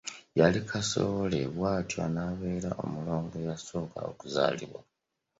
Yali kasowole, bw’atyo n’abeera omulongo eyasooka okuzaalibwa.